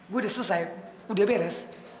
gue udah selesai udah beres